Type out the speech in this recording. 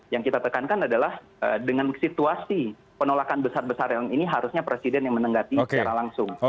yang kita tekankan adalah dengan situasi penolakan besar besaran ini harusnya presiden yang menenggati secara langsung